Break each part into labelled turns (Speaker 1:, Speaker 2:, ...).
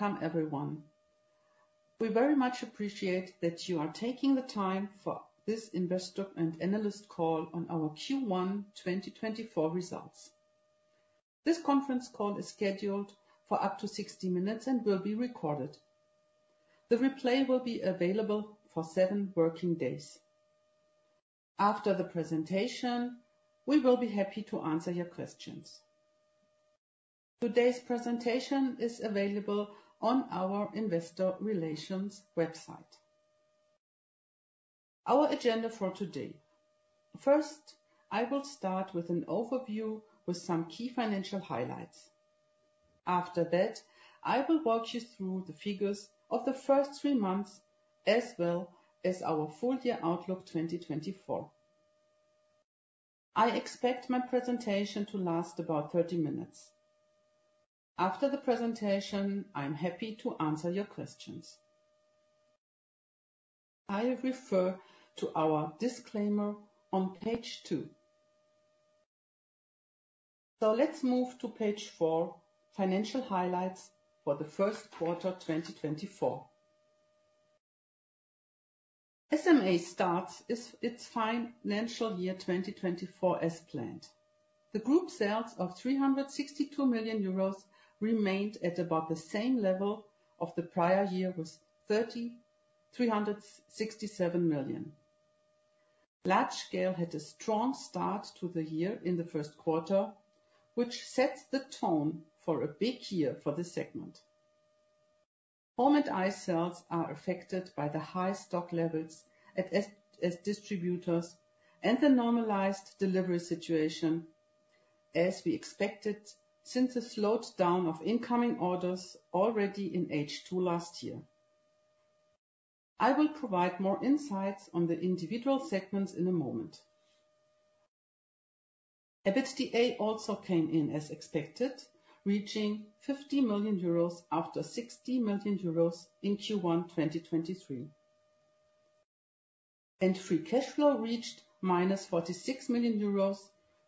Speaker 1: Welcome, everyone. We very much appreciate that you are taking the time for this Investor and Analyst Call on our Q1 2024 results. This conference call is scheduled for up to 60 minutes and will be recorded. The replay will be available for seven working days. After the presentation, we will be happy to answer your questions. Today's presentation is available on our investor relations website. Our agenda for today: first, I will start with an overview with some key financial highlights. After that, I will walk you through the figures of the first three months as well as our full-year outlook 2024. I expect my presentation to last about 30 minutes. After the presentation, I'm happy to answer your questions. I refer to our disclaimer on page two. Let's move to page four, financial highlights for the first quarter 2024. SMA starts its financial year 2024 as planned. The group sales of 362 million euros remained at about the same level of the prior year with 367 million. Large scale had a strong start to the year in the first quarter, which sets the tone for a big year for this segment. Home and C&I sales are affected by the high stock levels at distributors and the normalized delivery situation, as we expected since a slowed down of incoming orders already in H2 last year. I will provide more insights on the individual segments in a moment. EBITDA also came in as expected, reaching 50 million euros after 60 million euros in Q1 2023. Free cash flow reached -46 million euros,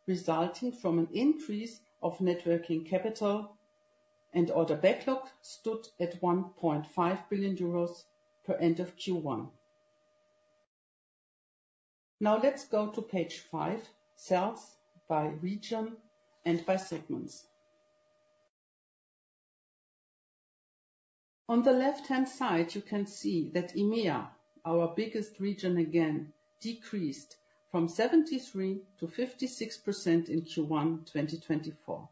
Speaker 1: resulting from an increase of net working capital, and order backlog stood at 1.5 billion euros per end of Q1. Now let's go to page five, sales by region and by segments. On the left-hand side, you can see that EMEA, our biggest region again, decreased from 73% to 56% in Q1 2024.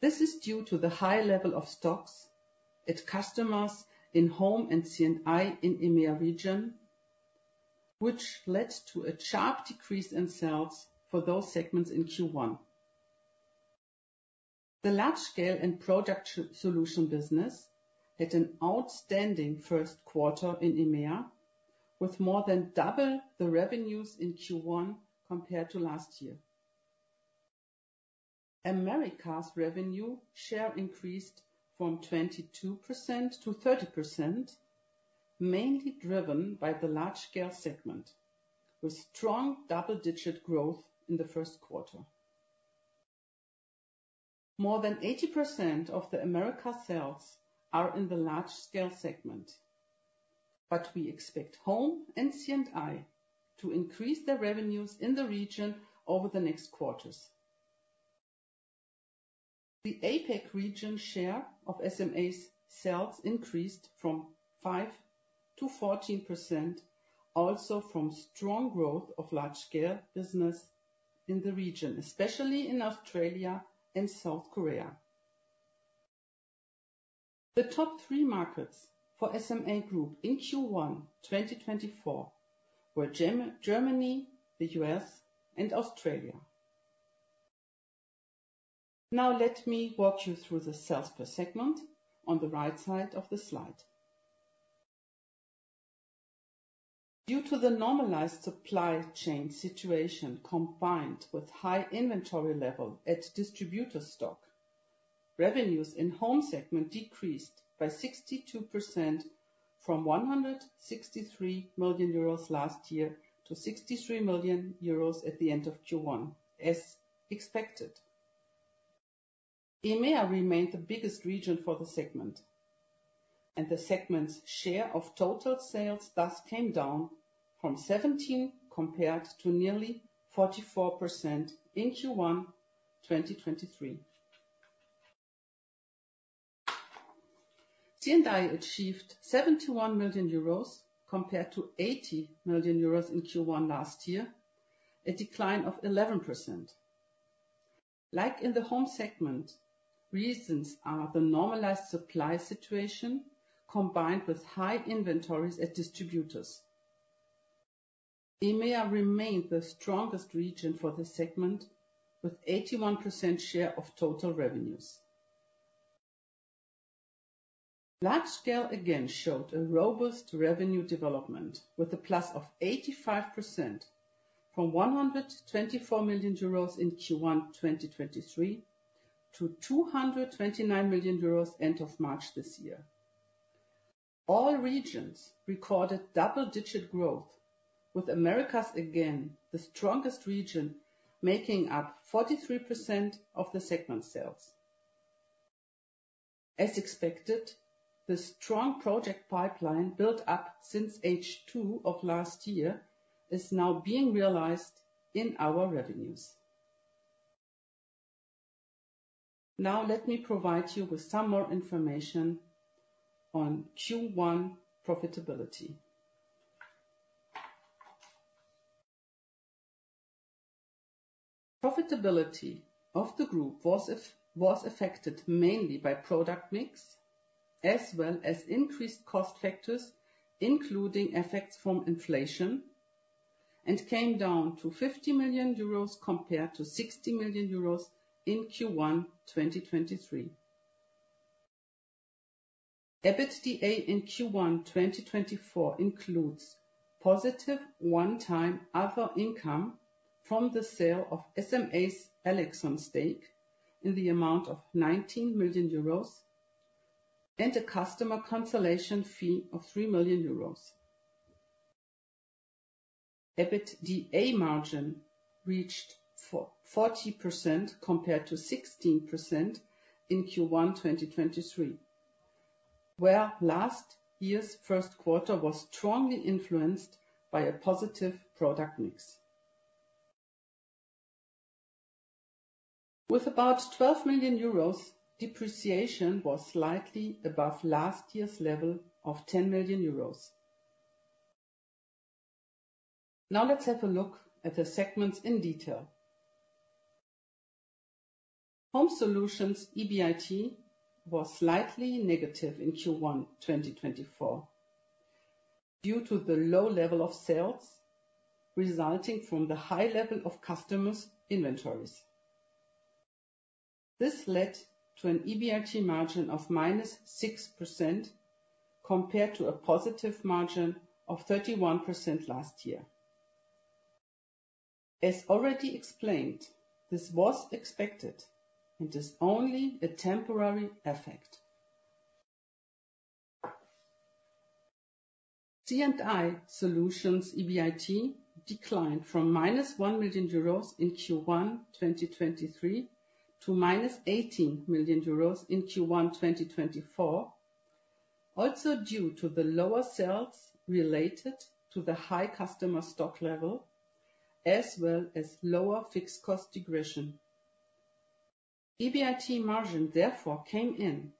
Speaker 1: This is due to the high level of stocks at customers in home and C&I in EMEA region, which led to a sharp decrease in sales for those segments in Q1. The Large Scale and Project Solutions business had an outstanding first quarter in EMEA, with more than double the revenues in Q1 compared to last year. Americas revenue share increased from 22% to 30%, mainly driven by the Large Scale segment, with strong double-digit growth in the first quarter. More than 80% of the Americas sales are in the Large Scale segment, but we expect home and C&I to increase their revenues in the region over the next quarters. The APEC region share of SMA's sales increased from 5%-14%, also from strong growth of large scale business in the region, especially in Australia and South Korea. The top three markets for SMA Group in Q1 2024 were Germany, the U.S., and Australia. Now let me walk you through the sales per segment on the right side of the slide. Due to the normalized supply chain situation combined with high inventory level at distributor stock, revenues in home segment decreased by 62% from 163 million euros last year to 63 million euros at the end of Q1, as expected. EMEA remained the biggest region for the segment, and the segment's share of total sales thus came down from 17% compared to nearly 44% in Q1 2023. C&I achieved 71 million euros compared to 80 million euros in Q1 last year, a decline of 11%. Like in the home segment, reasons are the normalized supply situation combined with high inventories at distributors. EMEA remained the strongest region for this segment, with 81% share of total revenues. Large scale again showed a robust revenue development, with a +85% from 124 million euros in Q1 2023 to 229 million euros end of March this year. All regions recorded double digit growth, with Americas again the strongest region making up 43% of the segment sales. As expected, the strong project pipeline built up since H2 of last year is now being realized in our revenues. Now let me provide you with some more information on Q1 profitability. Profitability of the group was affected mainly by product mix, as well as increased cost factors, including effects from inflation, and came down to 50 million euros compared to 60 million euros in Q1 2023. EBITDA in Q1 2024 includes positive one-time other income from the sale of SMA's Elexon stake in the amount of 19 million euros and a customer cancellation fee of 3 million euros. EBITDA margin reached 40% compared to 16% in Q1 2023, where last year's first quarter was strongly influenced by a positive product mix. With about 12 million euros, depreciation was slightly above last year's level of 10 million euros. Now let's have a look at the segments in detail. Home Solutions EBIT was slightly negative in Q1 2024 due to the low level of sales resulting from the high level of customers' inventories. This led to an EBIT margin of -6% compared to a positive margin of 31% last year. As already explained, this was expected and is only a temporary effect. C&I solutions EBIT declined from -1 million euros in Q1 2023 to -18 million euros in Q1 2024, also due to the lower sales related to the high customer stock level, as well as lower fixed cost degression. EBIT margin, therefore, came in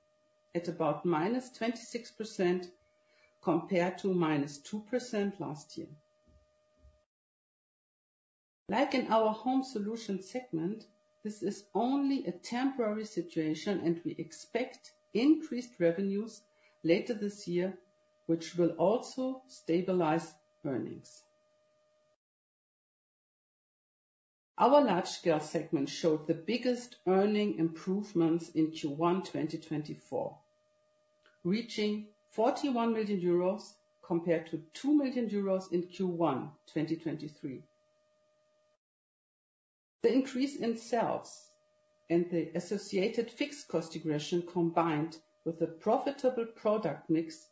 Speaker 1: at about -26% compared to -2% last year. Like in our home solution segment, this is only a temporary situation, and we expect increased revenues later this year, which will also stabilize earnings. Our large scale segment showed the biggest earning improvements in Q1 2024, reaching 41 million euros compared to 2 million euros in Q1 2023. The increase in sales and the associated fixed cost degression combined with the profitable product mix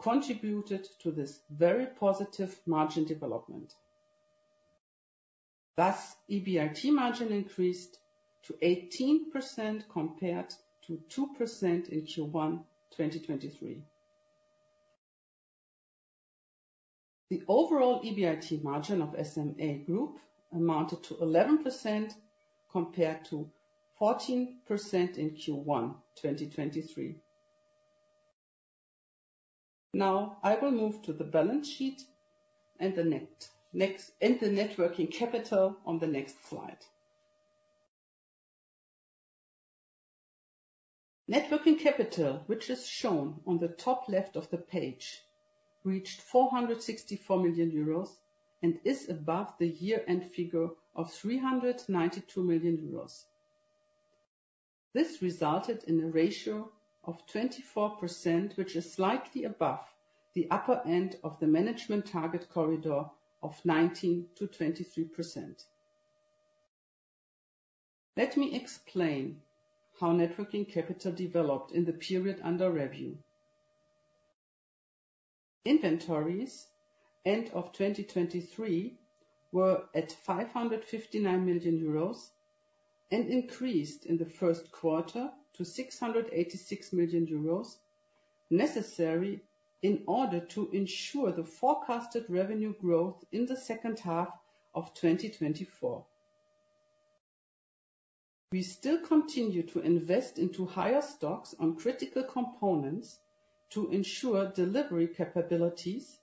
Speaker 1: contributed to this very positive margin development. Thus, EBIT margin increased to 18% compared to 2% in Q1 2023. The overall EBIT margin of SMA Group amounted to 11% compared to 14% in Q1 2023. Now I will move to the balance sheet and the net working capital on the next slide. Net working capital, which is shown on the top left of the page, reached 464 million euros and is above the year-end figure of 392 million euros. This resulted in a ratio of 24%, which is slightly above the upper end of the management target corridor of 19%-23%. Let me explain how net working capital developed in the period under review. Inventories end of 2023 were at 559 million euros and increased in the first quarter to 686 million euros necessary in order to ensure the forecasted revenue growth in the second half of 2024. We still continue to invest into higher stocks on critical components to ensure delivery capabilities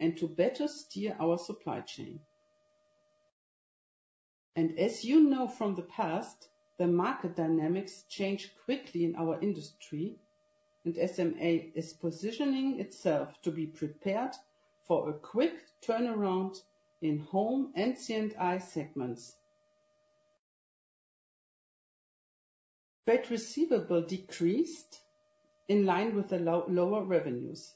Speaker 1: and to better steer our supply chain. And as you know from the past, the market dynamics change quickly in our industry, and SMA is positioning itself to be prepared for a quick turnaround in home and C&I segments. VAT receivable decreased in line with the lower revenues.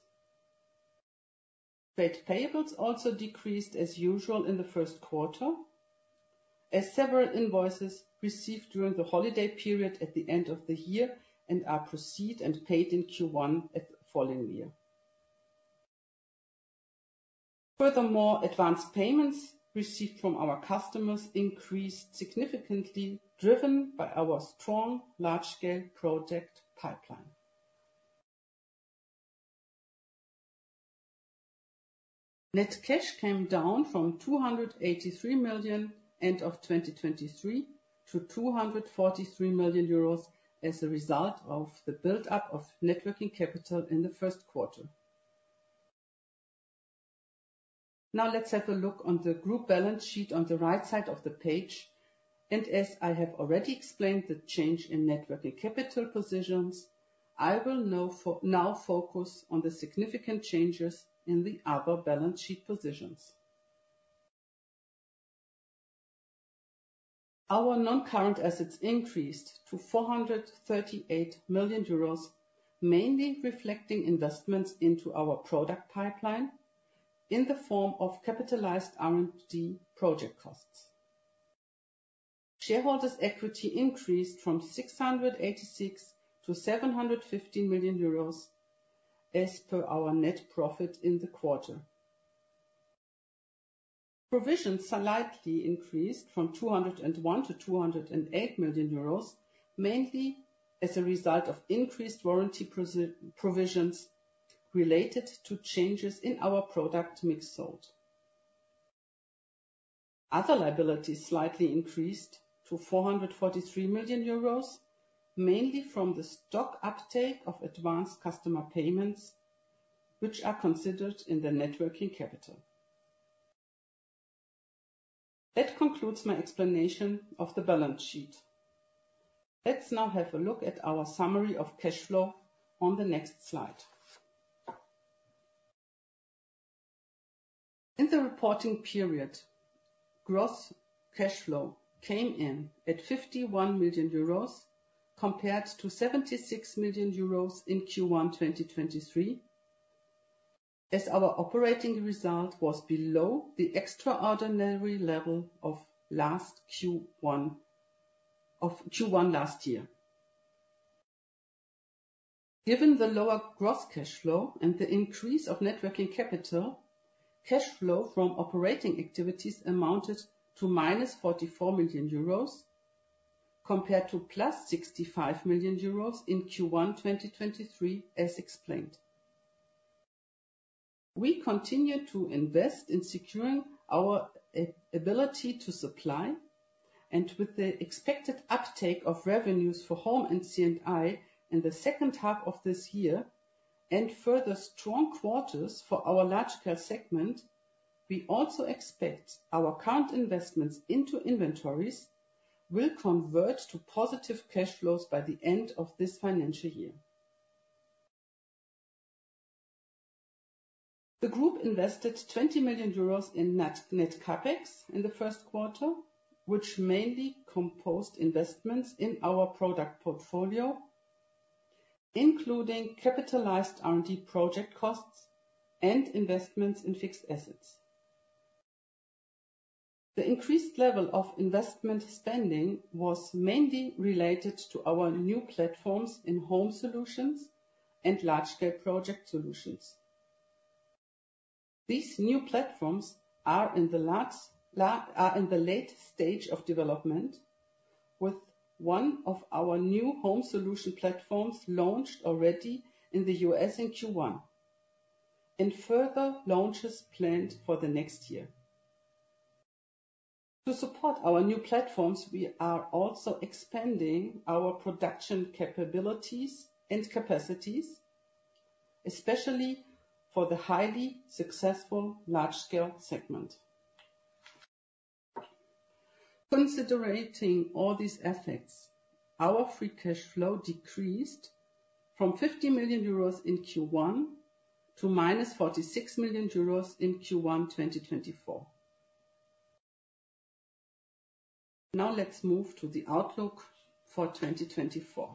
Speaker 1: VAT payables also decreased as usual in the first quarter, as several invoices received during the holiday period at the end of the year and are processed and paid in Q1 at the following year. Furthermore, advance payments received from our customers increased significantly driven by our strong large scale project pipeline. Net cash came down from 283 million end of 2023 to 243 million euros as a result of the buildup of net working capital in the first quarter. Now let's have a look on the group balance sheet on the right side of the page, and as I have already explained the change in net working capital positions, I will now focus on the significant changes in the other balance sheet positions. Our non-current assets increased to 438 million euros, mainly reflecting investments into our product pipeline in the form of capitalized R&D project costs. Shareholders' equity increased from 686 to 715 million euros as per our net profit in the quarter. Provisions slightly increased from 201 to 208 million euros, mainly as a result of increased warranty provisions related to changes in our product mix sold. Other liabilities slightly increased to 443 million euros, mainly from the stock uptake of advanced customer payments, which are considered in the net working capital. That concludes my explanation of the balance sheet. Let's now have a look at our summary of cash flow on the next slide. In the reporting period, gross cash flow came in at 51 million euros compared to 76 million euros in Q1 2023, as our operating result was below the extraordinary level of last Q1 of Q1 last year. Given the lower gross cash flow and the increase of net working capital, cash flow from operating activities amounted to -44 million euros compared to +65 million euros in Q1 2023, as explained. We continue to invest in securing our ability to supply, and with the expected uptake of revenues for home and C&I in the second half of this year and further strong quarters for our large scale segment, we also expect our current investments into inventories will convert to positive cash flows by the end of this financial year. The group invested 20 million euros in net CapEx in the first quarter, which mainly composed investments in our product portfolio, including capitalized R&D project costs and investments in fixed assets. The increased level of investment spending was mainly related to our new platforms in Home Solutions and Large Scale project solutions. These new platforms are in the late stage of development, with one of our new Home Solution platforms launched already in the US in Q1 and further launches planned for the next year. To support our new platforms, we are also expanding our production capabilities and capacities, especially for the highly successful Large Scale segment. Considering all these effects, our free cash flow decreased from 50 million euros in Q1 to -46 million euros in Q1 2024. Now let's move to the outlook for 2024.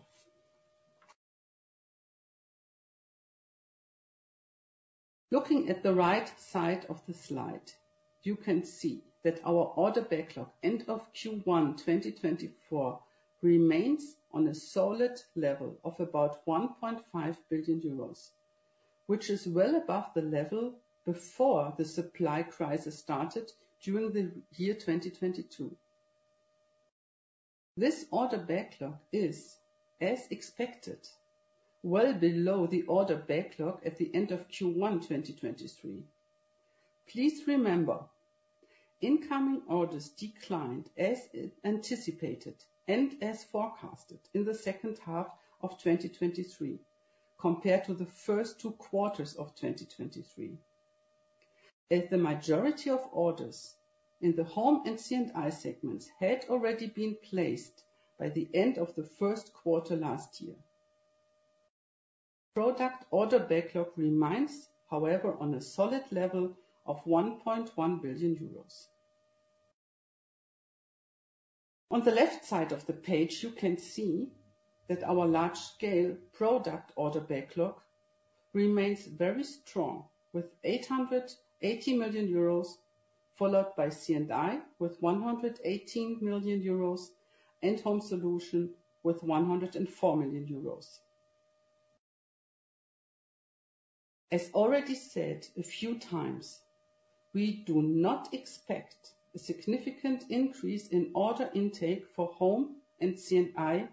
Speaker 1: Looking at the right side of the slide, you can see that our order backlog end of Q1 2024 remains on a solid level of about 1.5 billion euros, which is well above the level before the supply crisis started during the year 2022. This order backlog is, as expected, well below the order backlog at the end of Q1 2023. Please remember, incoming orders declined as anticipated and as forecasted in the second half of 2023 compared to the first two quarters of 2023, as the majority of orders in the home and C&I segments had already been placed by the end of the first quarter last year. Product order backlog remains, however, on a solid level of 1.1 billion euros. On the left side of the page, you can see that our large scale product order backlog remains very strong, with 880 million euros followed by C&I with 118 million euros and home solution with 104 million euros. As already said a few times, we do not expect a significant increase in order intake for home and C&I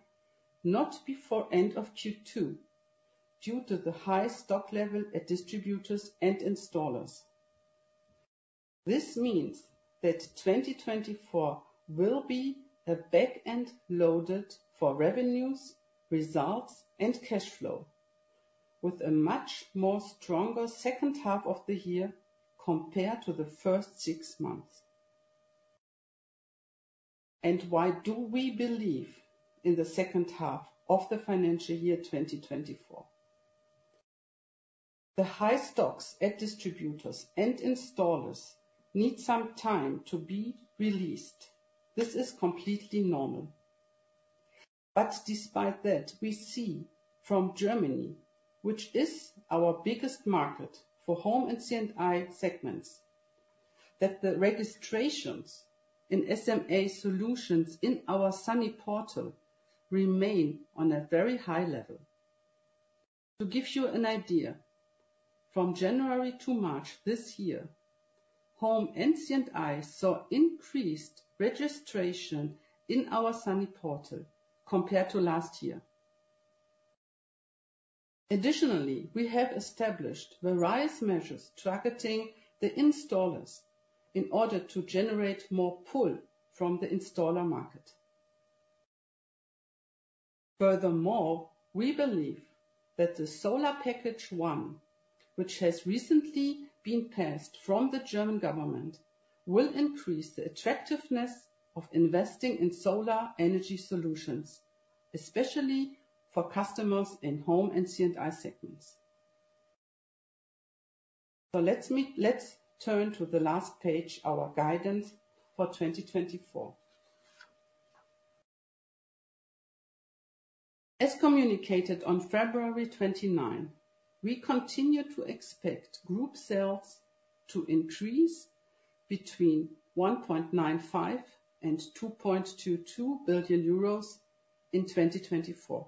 Speaker 1: not before end of Q2 due to the high stock level at distributors and installers. This means that 2024 will be a backend loaded for revenues, results, and cash flow, with a much more stronger second half of the year compared to the first six months. Why do we believe in the second half of the financial year 2024? The high stocks at distributors and installers need some time to be released. This is completely normal. But despite that, we see from Germany, which is our biggest market for home and C&I segments, that the registrations in SMA solutions in our Sunny Portal remain on a very high level. To give you an idea, from January to March this year, home and C&I saw increased registration in our Sunny Portal compared to last year. Additionally, we have established various measures targeting the installers in order to generate more pull from the installer market. Furthermore, we believe that the Solar Package I, which has recently been passed from the German government, will increase the attractiveness of investing in solar energy solutions, especially for customers in home and C&I segments. So let's meet let's turn to the last page, our guidance for 2024. As communicated on February 29, we continue to expect group sales to increase between 1.95 billion and 2.22 billion euros in 2024.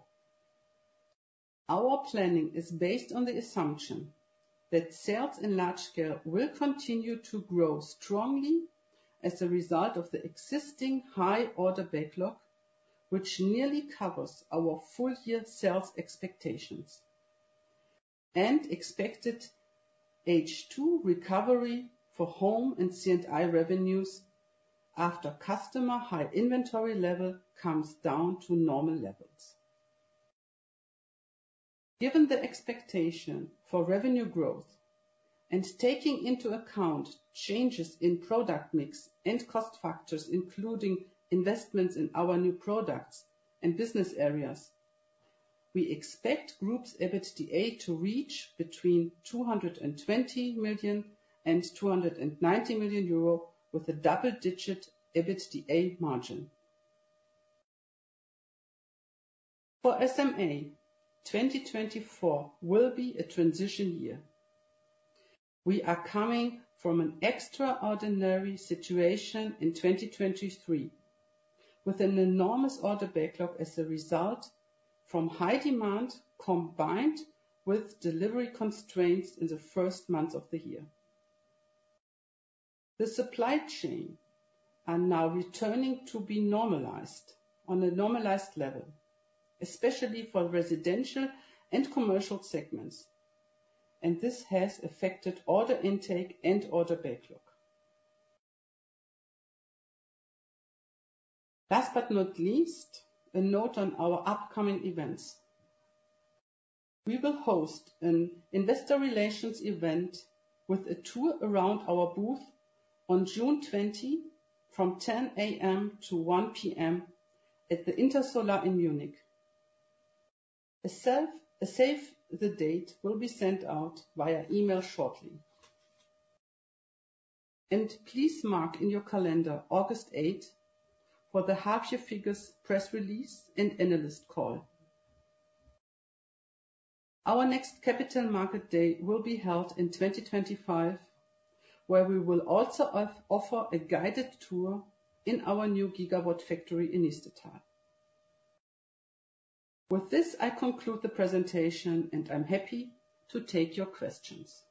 Speaker 1: Our planning is based on the assumption that sales in Large Scale will continue to grow strongly as a result of the existing high order backlog, which nearly covers our full year sales expectations, and expected H2 recovery for home and C&I revenues after customer high inventory level comes down to normal levels. Given the expectation for revenue growth and taking into account changes in product mix and cost factors, including investments in our new products and business areas, we expect group's EBITDA to reach between 220 million and 290 million euro with a double-digit EBITDA margin. For SMA, 2024 will be a transition year. We are coming from an extraordinary situation in 2023 with an enormous order backlog as a result from high demand combined with delivery constraints in the first months of the year. The supply chains are now returning to be normalized on a normalized level, especially for residential and commercial segments, and this has affected order intake and order backlog. Last but not least, a note on our upcoming events. We will host an investor relations event with a tour around our booth on June 20 from 10:00 A.M. to 1:00 P.M. at the Intersolar in Munich. A save the date will be sent out via email shortly. Please mark in your calendar August 8 for the half year figures press release and analyst call. Our next capital market day will be held in 2025, where we will also offer a guided tour in our new gigawatt factory in Niestetal. With this, I conclude the presentation, and I'm happy to take your questions.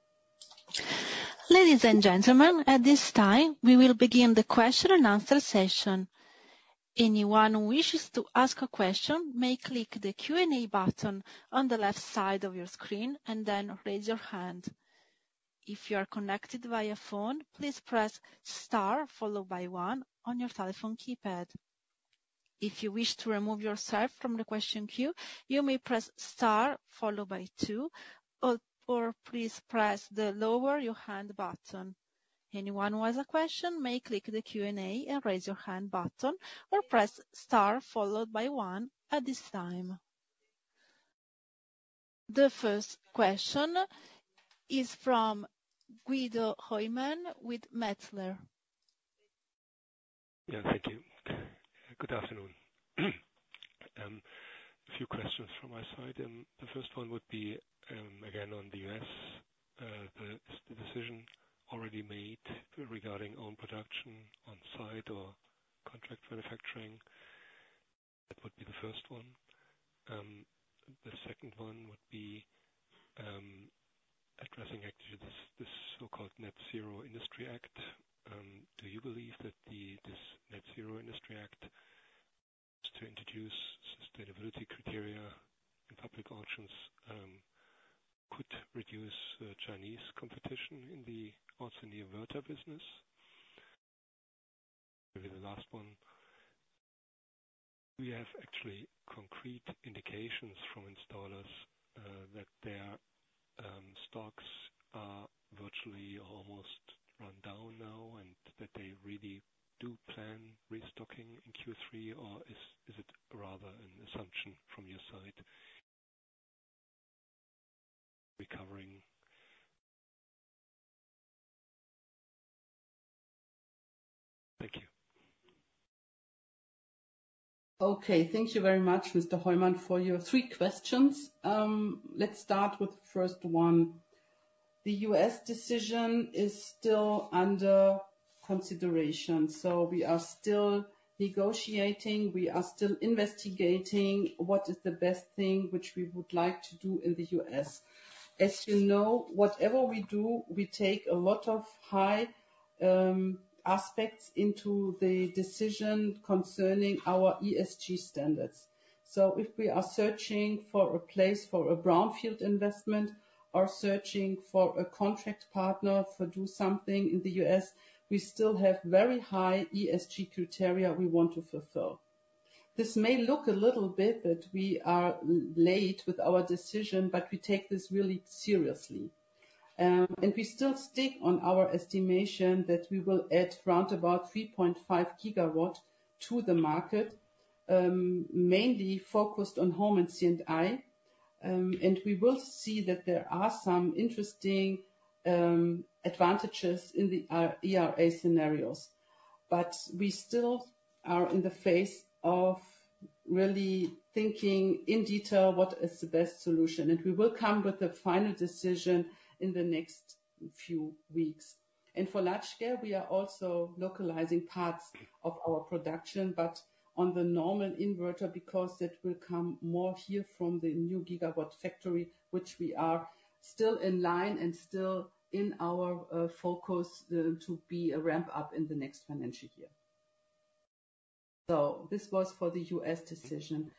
Speaker 2: Ladies and gentlemen, at this time, we will begin the question and answer session. Anyone who wishes to ask a question may click the Q&A button on the left side of your screen and then raise your hand. If you are connected via phone, please press star followed by one on your telephone keypad. If you wish to remove yourself from the question queue, you may press star followed by two, or please press the lower your hand button. Anyone who has a question may click the Q&A and raise your hand button or press star followed by one at this time. The first question is from Guido Hoymann with Metzler.
Speaker 3: Yeah, thank you. Good afternoon. A few questions from my side. The first one would be, again, on the U.S., the decision already made regarding own production on-site or contract manufacturing. That would be the first one. The second one would be addressing actually this so-called Net Zero Industry Act. Do you believe that this Net Zero Industry Act, to introduce sustainability criteria in public auctions, could reduce Chinese competition in the solar inverter business? Maybe the last one. Do you have actually concrete indications from installers that their stocks are virtually or almost run down now and that they really do plan restocking in Q3, or is it rather an assumption from your side recovering?
Speaker 1: Thank you. Okay. Thank you very much, Mr. Hoymann, for your three questions. Let's start with the first one. The U.S. decision is still under consideration, so we are still negotiating. We are still investigating what is the best thing which we would like to do in the U.S. As you know, whatever we do, we take a lot of high aspects into the decision concerning our ESG standards. So if we are searching for a place for a brownfield investment or searching for a contract partner to do something in the U.S., we still have very high ESG criteria we want to fulfill. This may look a little bit that we are late with our decision, but we take this really seriously. And we still stick on our estimation that we will add round about 3.5 gigawatt to the market, mainly focused on home and C&I. And we will see that there are some interesting advantages in the IRA scenarios, but we still are in the phase of really thinking in detail what is the best solution, and we will come with the final decision in the next few weeks. For large scale, we are also localizing parts of our production, but on the normal inverter because that will come more here from the new gigawatt factory, which we are still in line and still in our focus to be a ramp up in the next financial year. This was for the U.S. decision.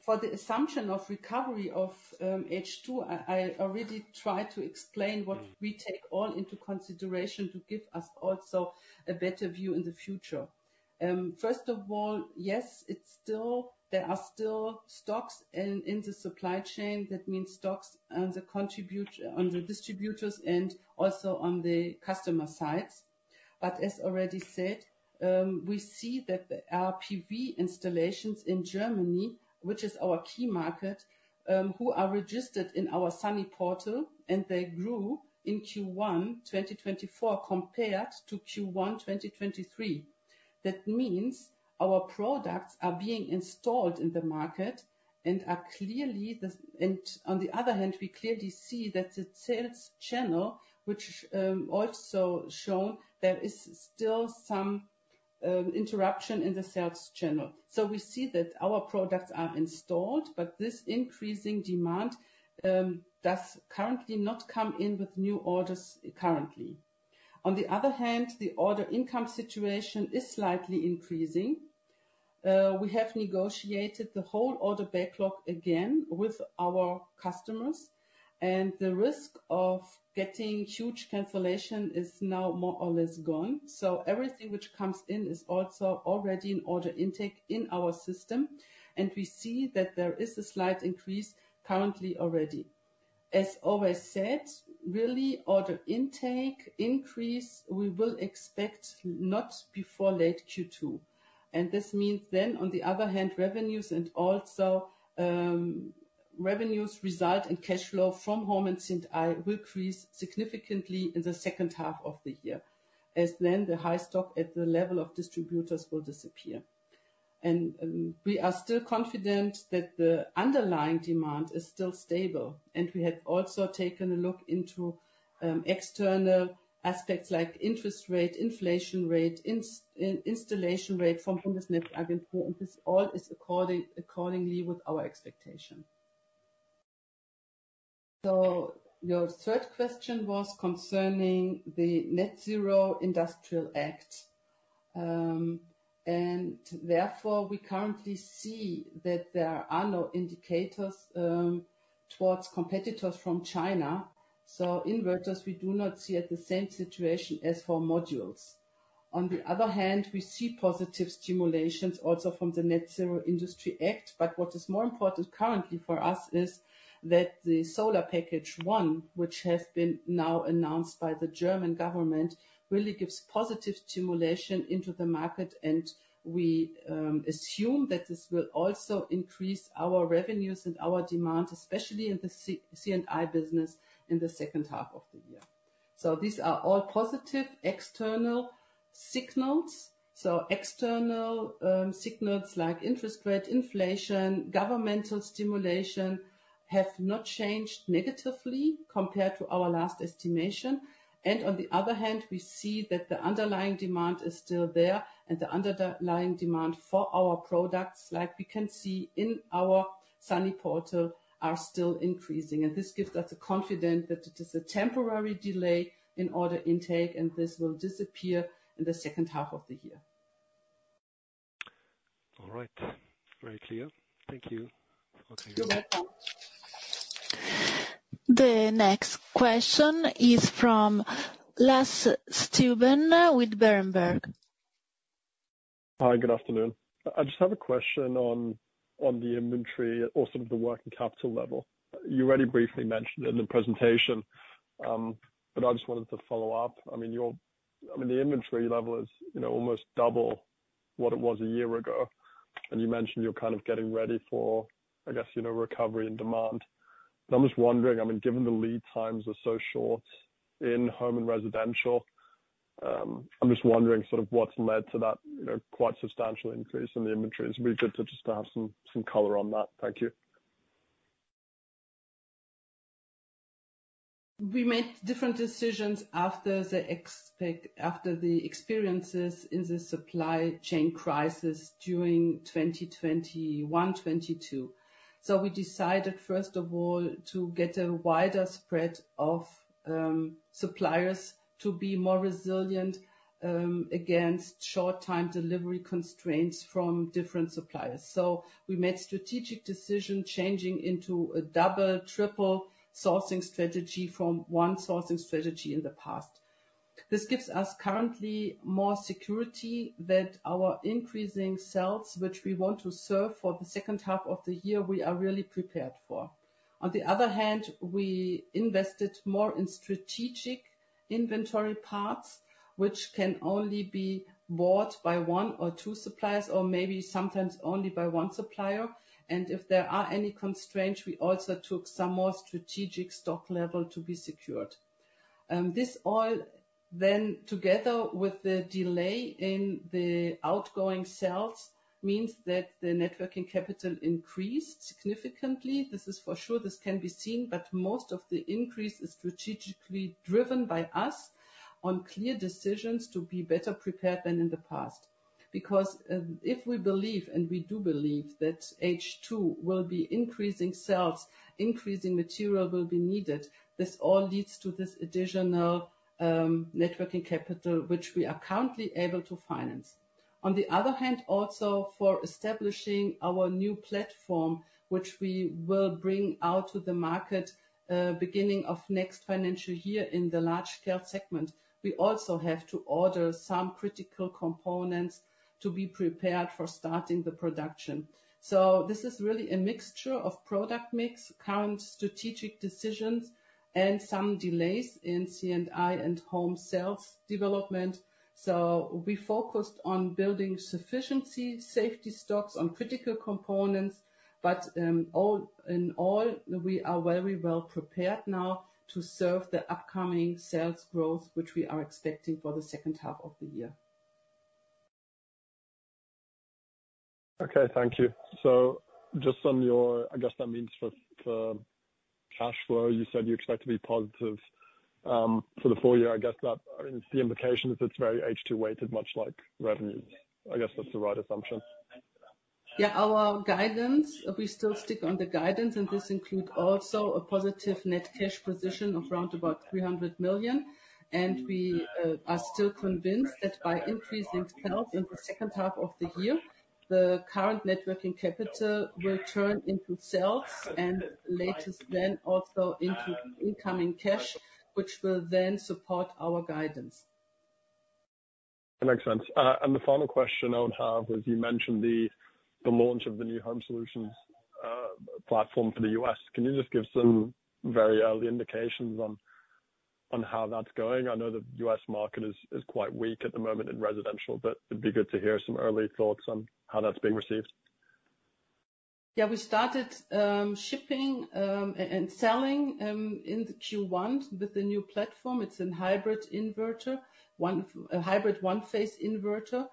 Speaker 1: For the assumption of recovery of H2, I already tried to explain what we take all into consideration to give us also a better view in the future. First of all, yes, there are still stocks in the supply chain. That means stocks on the distributors and also on the customer sides. As already said, we see that there are PV installations in Germany, which is our key market, who are registered in our Sunny Portal, and they grew in Q1 2024 compared to Q1 2023. That means our products are being installed in the market and are clearly, and on the other hand, we clearly see that the sales channel, which also shown there, is still some interruption in the sales channel. So we see that our products are installed, but this increasing demand does currently not come in with new orders currently. On the other hand, the order income situation is slightly increasing. We have negotiated the whole order backlog again with our customers, and the risk of getting huge cancellation is now more or less gone. So everything which comes in is also already in order intake in our system, and we see that there is a slight increase currently already. As always said, really order intake increase, we will expect not before late Q2. This means then, on the other hand, revenues and also revenues result in cash flow from home and C&I will increase significantly in the second half of the year, as then the high stock at the level of distributors will disappear. We are still confident that the underlying demand is still stable, and we have also taken a look into external aspects like interest rate, inflation rate, installation rate from Bundesnetzagentur, and this all is accordingly with our expectation. Your third question was concerning the Net Zero Industry Act. Therefore, we currently see that there are no indicators towards competitors from China. So inverters, we do not see at the same situation as for modules. On the other hand, we see positive stimulations also from the Net Zero Industry Act, but what is more important currently for us is that the Solar Package I, which has been now announced by the German government, really gives positive stimulation into the market, and we assume that this will also increase our revenues and our demand, especially in the C&I business in the second half of the year. So these are all positive external signals. So external signals like interest rate, inflation, governmental stimulation have not changed negatively compared to our last estimation. And on the other hand, we see that the underlying demand is still there, and the underlying demand for our products, like we can see in our Sunny Portal, are still increasing. This gives us a confidence that it is a temporary delay in order intake, and this will disappear in the second half of the year.
Speaker 3: All right. Very clear. Thank you. Okay.
Speaker 1: You're welcome.
Speaker 2: The next question is from Lasse Stüben with Berenberg.
Speaker 4: Hi. Good afternoon. I just have a question on the inventory or sort of the working capital level. You already briefly mentioned it in the presentation, but I just wanted to follow up. I mean, the inventory level is almost double what it was a year ago, and you mentioned you're kind of getting ready for, I guess, recovery and demand. But I'm just wondering, I mean, given the lead times are so short in home and residential, I'm just wondering sort of what's led to that quite substantial increase in the inventory. It would be good to just have some color on that. Thank you.
Speaker 1: We made different decisions after the experiences in the supply chain crisis during 2021-2022. So we decided, first of all, to get a wider spread of suppliers to be more resilient against short-term delivery constraints from different suppliers. So we made strategic decision changing into a double, triple sourcing strategy from one sourcing strategy in the past. This gives us currently more security that our increasing sales, which we want to serve for the second half of the year, we are really prepared for. On the other hand, we invested more in strategic inventory parts, which can only be bought by one or two suppliers or maybe sometimes only by one supplier. And if there are any constraints, we also took some more strategic stock level to be secured. This all then, together with the delay in the outgoing sales, means that the net working capital increased significantly. This is for sure. This can be seen, but most of the increase is strategically driven by us on clear decisions to be better prepared than in the past. Because if we believe, and we do believe, that H2 will be increasing cells, increasing material will be needed, this all leads to this additional net working capital, which we are currently able to finance. On the other hand, also, for establishing our new platform, which we will bring out to the market beginning of next financial year in the Large Scale segment, we also have to order some critical components to be prepared for starting the production. So this is really a mixture of product mix, current strategic decisions, and some delays in C&I and home sales development. So we focused on building sufficient safety stocks on critical components, but in all, we are very well prepared now to serve the upcoming sales growth, which we are expecting for the second half of the year.
Speaker 4: Okay. Thank you. So just on your I guess that means for cash flow, you said you expect to be positive for the full year. I guess that I mean, the implication is it's very H2-weighted, much like revenues. I guess that's the right assumption.
Speaker 1: Yeah. Our guidance, we still stick on the guidance, and this includes also a positive net cash position of 300 million. And we are still convinced that by increasing sales in the second half of the year, the current net working capital will turn into sales and later then also into incoming cash, which will then support our guidance.
Speaker 4: That makes sense. The final question I would have was you mentioned the launch of the new home solutions platform for the U.S. Can you just give some very early indications on how that's going? I know the U.S. market is quite weak at the moment in residential, but it'd be good to hear some early thoughts on how that's being received.
Speaker 1: Yeah. We started shipping and selling in Q1 with the new platform. It's a hybrid one-phase inverter.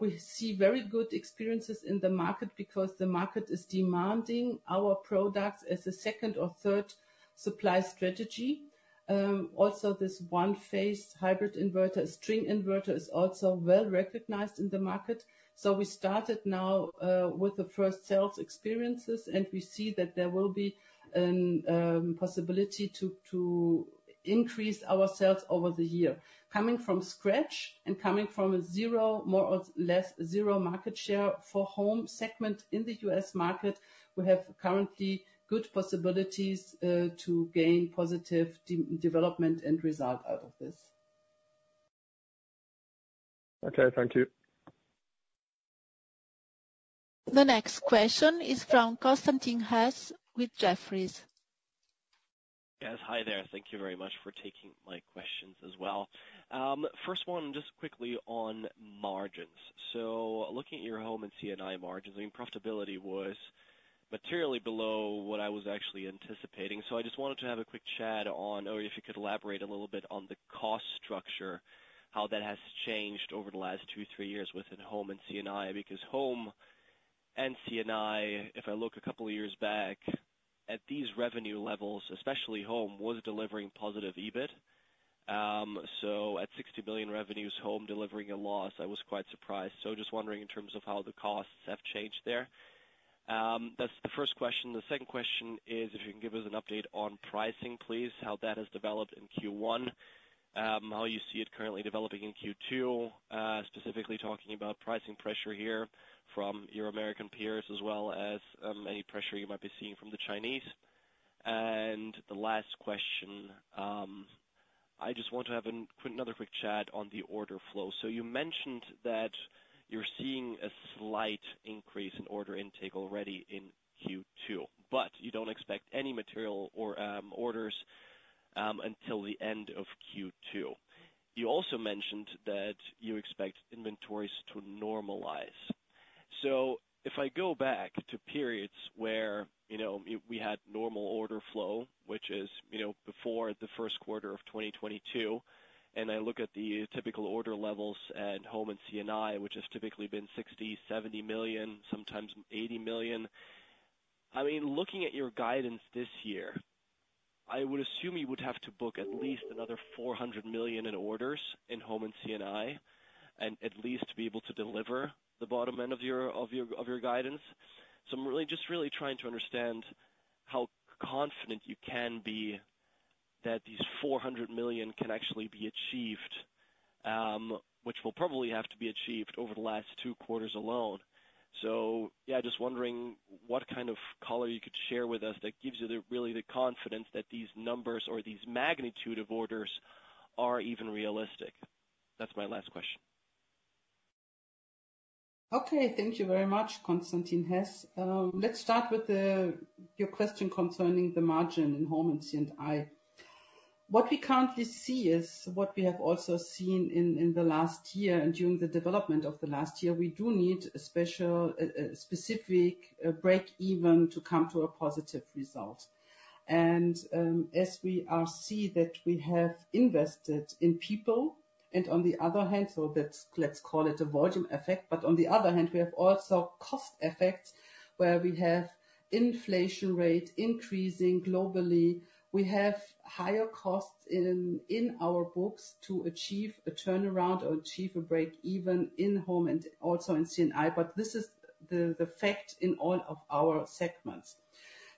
Speaker 1: We see very good experiences in the market because the market is demanding our products as a second or third supply strategy. Also, this one-phase hybrid inverter, string inverter, is also well recognized in the market. So we started now with the first sales experiences, and we see that there will be a possibility to increase our sales over the year. Coming from scratch and coming from a more or less zero market share for home segment in the US market, we have currently good possibilities to gain positive development and result out of this.
Speaker 4: Okay. Thank you.
Speaker 2: The next question is from Constantin Hesse with Jefferies.
Speaker 5: Yes. Hi there. Thank you very much for taking my questions as well. First one, just quickly on margins. So looking at your home and C&I margins, I mean, profitability was materially below what I was actually anticipating. So I just wanted to have a quick chat on or if you could elaborate a little bit on the cost structure, how that has changed over the last two, three years within home and C&I because home and C&I, if I look a couple of years back at these revenue levels, especially home, was delivering positive EBIT. So at 60 million revenues, home delivering a loss, I was quite surprised. Just wondering in terms of how the costs have changed there. That's the first question. The second question is if you can give us an update on pricing, please, how that has developed in Q1, how you see it currently developing in Q2, specifically talking about pricing pressure here from your American peers as well as any pressure you might be seeing from the Chinese. And the last question, I just want to have another quick chat on the order flow. You mentioned that you're seeing a slight increase in order intake already in Q2, but you don't expect any material orders until the end of Q2. You also mentioned that you expect inventories to normalize. So if I go back to periods where we had normal order flow, which is before the first quarter of 2022, and I look at the typical order levels at home and C&I, which has typically been 60 million, 70 million, sometimes 80 million, I mean, looking at your guidance this year, I would assume you would have to book at least another 400 million in orders in home and C&I and at least be able to deliver the bottom end of your guidance. So I'm just really trying to understand how confident you can be that these 400 million can actually be achieved, which will probably have to be achieved over the last two quarters alone. So yeah, just wondering what kind of color you could share with us that gives you really the confidence that these numbers or these magnitude of orders are even realistic. That's my last question.
Speaker 1: Okay. Thank you very much, Constantin Hesse. Let's start with your question concerning the margin in home and C&I. What we currently see is what we have also seen in the last year and during the development of the last year. We do need a specific break-even to come to a positive result. And as we see that we have invested in people and on the other hand so let's call it a volume effect. But on the other hand, we have also cost effects where we have inflation rate increasing globally. We have higher costs in our books to achieve a turnaround or achieve a break-even in home and also in C&I. But this is the fact in all of our segments.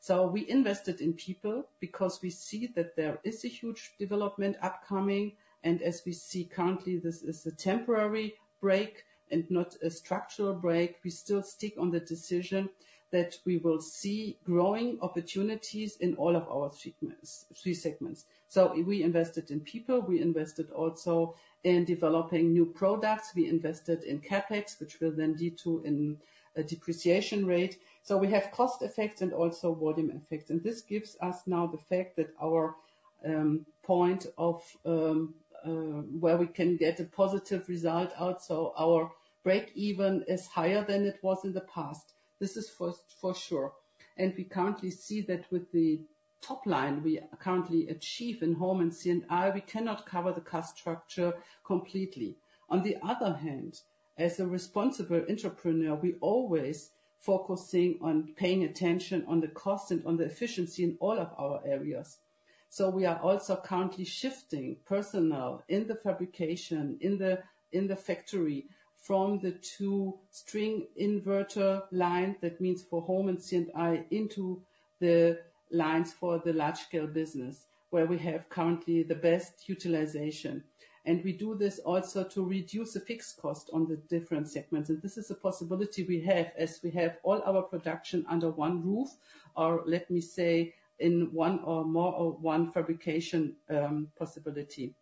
Speaker 1: So we invested in people because we see that there is a huge development upcoming. As we see currently, this is a temporary break and not a structural break. We still stick on the decision that we will see growing opportunities in all of our three segments. We invested in people. We invested also in developing new products. We invested in CapEx, which will then lead to a depreciation rate. We have cost effects and also volume effects. This gives us now the fact that our point of where we can get a positive result out, so our break-even is higher than it was in the past. This is for sure. We currently see that with the top line we currently achieve in home and C&I, we cannot cover the cost structure completely. On the other hand, as a responsible entrepreneur, we always focus on paying attention on the cost and on the efficiency in all of our areas. So we are also currently shifting personnel in the fabrication, in the factory from the two string inverter lines, that means for home and C&I, into the lines for the large scale business where we have currently the best utilization. We do this also to reduce the fixed cost on the different segments. This is a possibility we have as we have all our production under one roof or let me say in one or more or one fabrication possibility.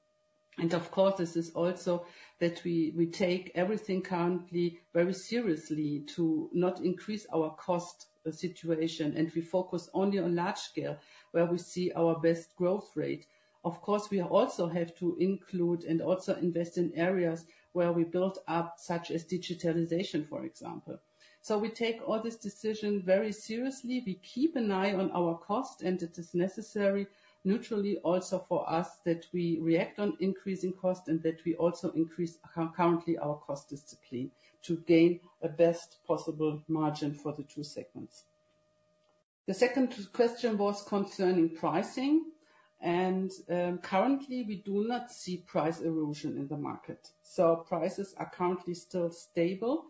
Speaker 1: Of course, this is also that we take everything currently very seriously to not increase our cost situation, and we focus only on large scale where we see our best growth rate. Of course, we also have to include and also invest in areas where we build up such as digitalization, for example. So we take all this decision very seriously. We keep an eye on our cost, and it is necessary naturally also for us that we react on increasing cost and that we also increase currently our cost discipline to gain the best possible margin for the two segments. The second question was concerning pricing. Currently, we do not see price erosion in the market. Prices are currently still stable.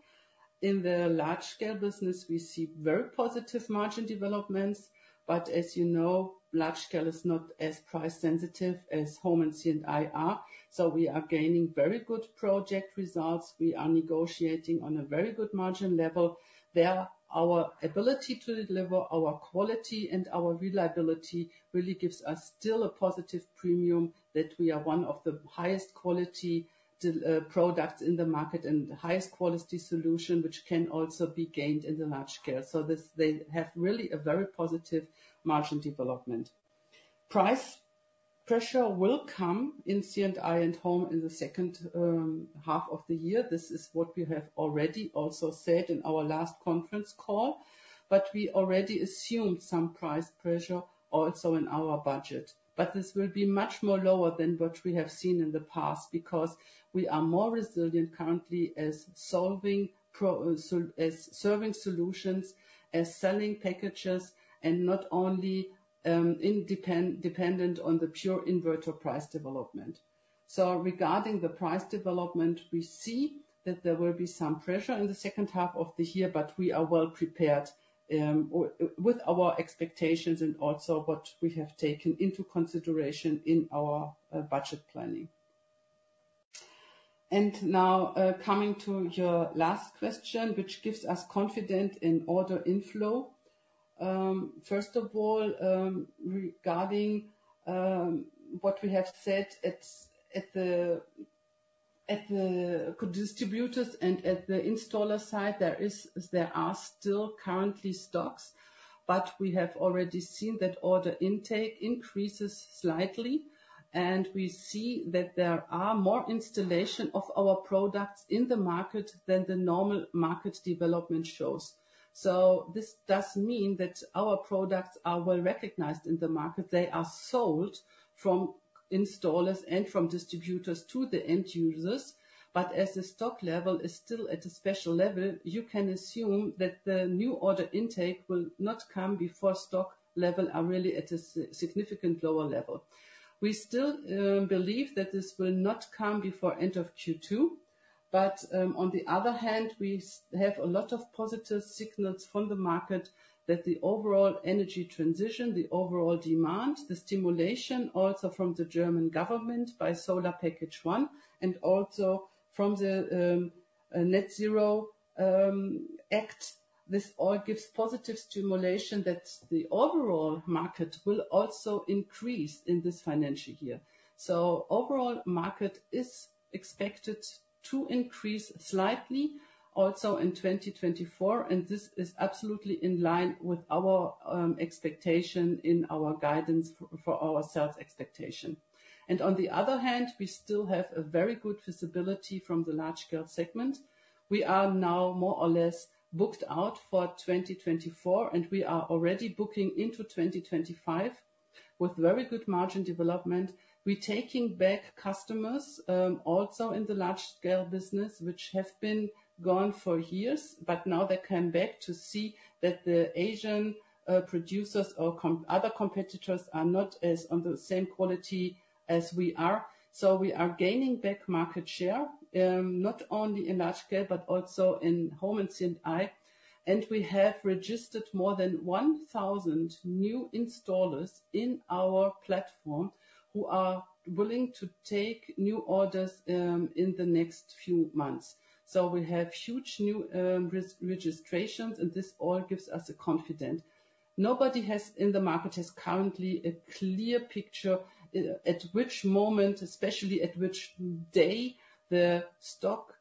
Speaker 1: In the Large Scale business, we see very positive margin developments. As you know, Large Scale is not as price sensitive as Home and C&I are. We are gaining very good project results. We are negotiating on a very good margin level. Our ability to deliver, our quality, and our reliability really gives us still a positive premium that we are one of the highest quality products in the market and the highest quality solution, which can also be gained in the Large Scale. So they have really a very positive margin development. Price pressure will come in C&I and home in the second half of the year. This is what we have already also said in our last conference call. But we already assumed some price pressure also in our budget. But this will be much more lower than what we have seen in the past because we are more resilient currently as serving solutions, as selling packages, and not only independent on the pure inverter price development. So regarding the price development, we see that there will be some pressure in the second half of the year, but we are well prepared with our expectations and also what we have taken into consideration in our budget planning. And now coming to your last question, which gives us confidence in order inflow. First of all, regarding what we have said at the distributors and at the installer side, there are still currently stocks, but we have already seen that order intake increases slightly. We see that there are more installations of our products in the market than the normal market development shows. This does mean that our products are well recognized in the market. They are sold from installers and from distributors to the end users. But as the stock level is still at a special level, you can assume that the new order intake will not come before stock levels are really at a significantly lower level. We still believe that this will not come before end of Q2. But on the other hand, we have a lot of positive signals from the market that the overall energy transition, the overall demand, the stimulation also from the German government by Solar Package I, and also from the Net Zero Industry Act, this all gives positive stimulation that the overall market will also increase in this financial year. So overall market is expected to increase slightly also in 2024, and this is absolutely in line with our expectation in our guidance for our sales expectation. And on the other hand, we still have a very good visibility from the Large Scale segment. We are now more or less booked out for 2024, and we are already booking into 2025 with very good margin development. We're taking back customers also in the large scale business, which have been gone for years, but now they come back to see that the Asian producers or other competitors are not as on the same quality as we are. So we are gaining back market share not only in large scale but also in home and C&I. And we have registered more than 1,000 new installers in our platform who are willing to take new orders in the next few months. So we have huge new registrations, and this all gives us confidence. In the market, there is currently a clear picture at which moment, especially at which day the stock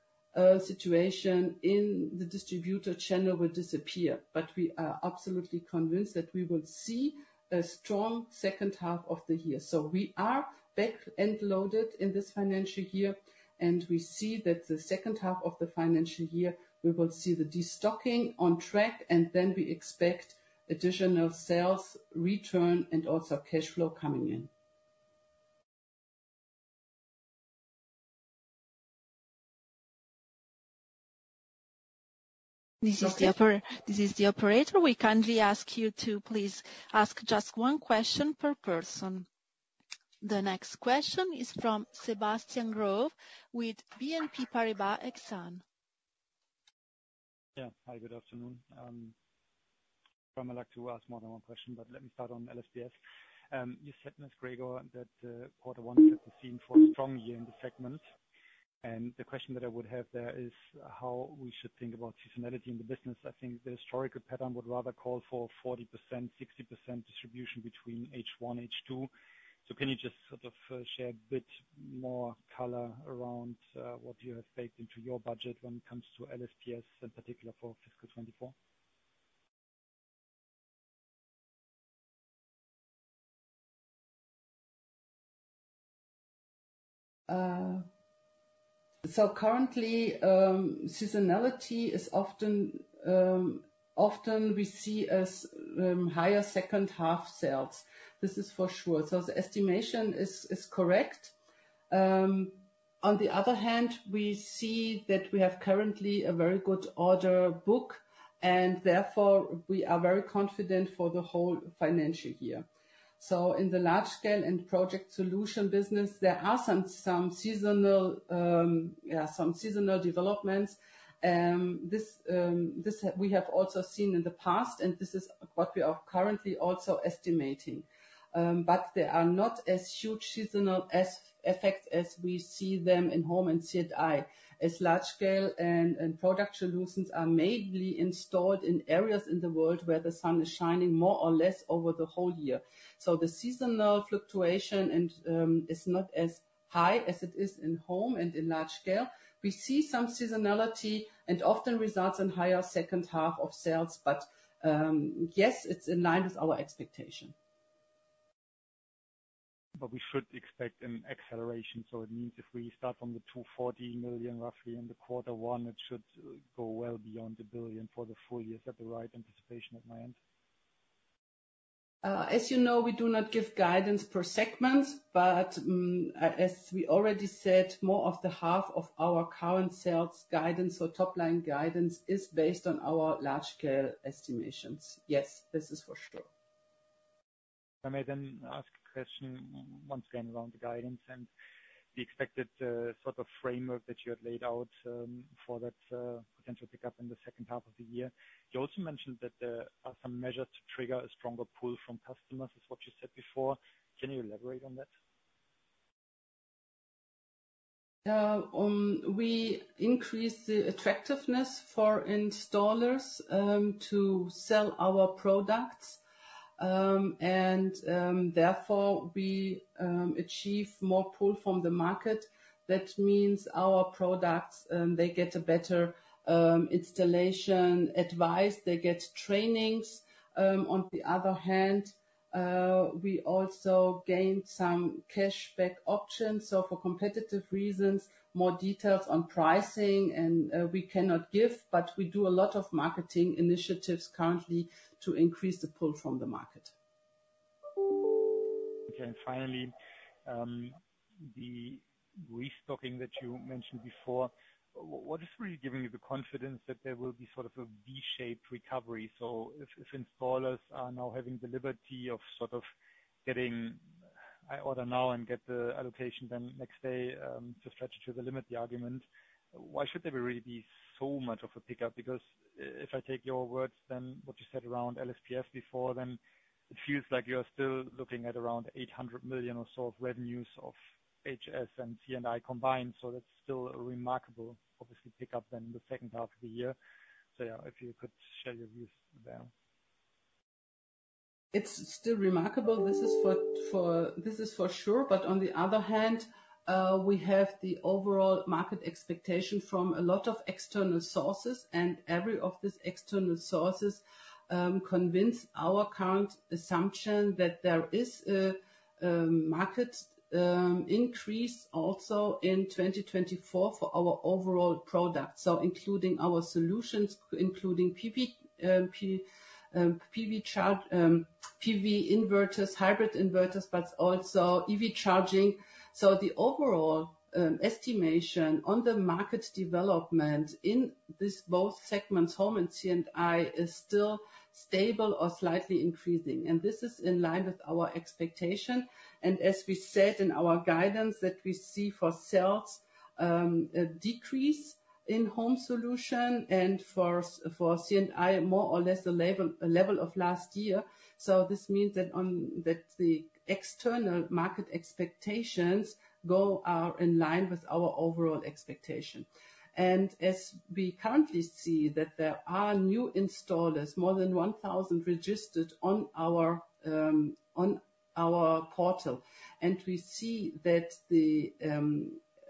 Speaker 1: situation in the distributor channel will disappear. But we are absolutely convinced that we will see a strong second half of the year. So we are back and loaded in this financial year, and we see that the second half of the financial year, we will see the destocking on track, and then we expect additional sales return and also cash flow coming in.
Speaker 2: This is the operator. We kindly ask you to please ask just one question per person. The next question is from Sebastian Growe with BNP Paribas Exane.
Speaker 6: Yeah. Hi. Good afternoon. I'd like to ask more than one question, but let me start on LSPS. You said, Ms. Gregor, that quarter one set the scene for a strong year in the segment. And the question that I would have there is how we should think about seasonality in the business. I think the historical pattern would rather call for 40%, 60% distribution between H1, H2. So can you just sort of share a bit more color around what you have baked into your budget when it comes to LSPS in particular for fiscal 2024?
Speaker 1: So currently, seasonality is often we see as higher second half sales. This is for sure. So the estimation is correct. On the other hand, we see that we have currently a very good order book, and therefore, we are very confident for the whole financial year. So in the large scale and project solution business, there are some seasonal developments. This we have also seen in the past, and this is what we are currently also estimating. But there are not as huge seasonal effects as we see them in home and C&I. As large scale and project solutions are mainly installed in areas in the world where the sun is shining more or less over the whole year. So the seasonal fluctuation is not as high as it is in home and in large scale. We see some seasonality and often results in higher second half of sales. But yes, it's in line with our expectation. But we should expect an acceleration. So it means if we start from the 240 million roughly in the quarter one, it should go well beyond 1 billion for the full years. Is that the right anticipation at my end? As you know, we do not give guidance per segment. But as we already said, more of the half of our current sales guidance or top line guidance is based on our large scale estimations. Yes, this is for sure.
Speaker 6: Let me then ask a question once again around the guidance and the expected sort of framework that you had laid out for that potential pickup in the second half of the year. You also mentioned that there are some measures to trigger a stronger pull from customers, is what you said before. Can you elaborate on that?
Speaker 1: We increase the attractiveness for installers to sell our products. Therefore, we achieve more pull from the market. That means our products, they get a better installation advice. They get trainings. On the other hand, we also gain some cashback options. So for competitive reasons, more details on pricing, and we cannot give, but we do a lot of marketing initiatives currently to increase the pull from the market.
Speaker 6: Okay. Finally, the restocking that you mentioned before, what is really giving you the confidence that there will be sort of a V-shaped recovery? So if installers are now having the liberty of sort of getting, "I order now and get the allocation then next day," to stretch it to the limit, the argument, why should there really be so much of a pickup? Because if I take your words, then what you said around LSPS before, then it feels like you are still looking at around 800 million or so of revenues of HS and C&I combined. So that's still a remarkable, obviously, pickup then in the second half of the year. So yeah, if you could share your views there.
Speaker 1: It's still remarkable. This is for sure. On the other hand, we have the overall market expectation from a lot of external sources, and every of these external sources convince our current assumption that there is a market increase also in 2024 for our overall products, so including our solutions, including PV inverters, hybrid inverters, but also EV charging. The overall estimation on the market development in both segments, home and C&I, is still stable or slightly increasing. This is in line with our expectation. As we said in our guidance, that we see for sales a decrease in home solution and for C&I, more or less the level of last year. This means that the external market expectations are in line with our overall expectation. And as we currently see that there are new installers, more than 1,000 registered on our portal, and we see that the